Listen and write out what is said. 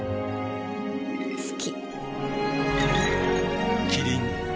好き。